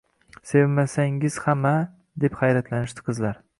— Sevsangiz ham-a? — deb hayratlanishdi qizlar.